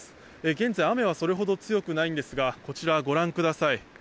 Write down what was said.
現在雨はそれほど強くないんですがこちら、ご覧ください。